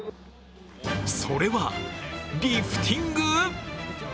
それは、リフティング！？